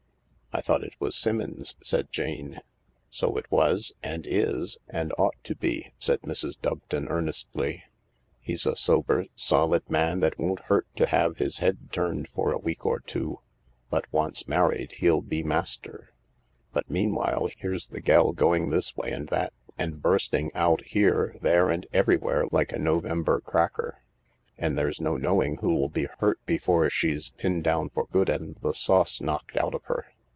" I thought it was Simmons," said Jane. " So it was, and is, and ought to be," said Mrs. Doveton earnestly. " He's a sober, solid man that won't hurt to have his head turned fora week or two, but, once married, he'll be ' master. But meantime here's the gell going this way and that, and bursting out here, there and everywhere like a November cracker. And there's no knowing who'll be hurt before she's pinned down for good and the sauce knocked out of her."